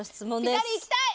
ピタリいきたい！